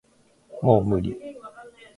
もう無理